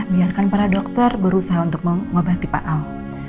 biarkan para dokter berusaha untuk mengobati pak al